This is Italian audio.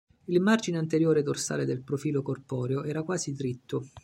Il margine anteriore dorsale del profilo corporeo era quasi dritto.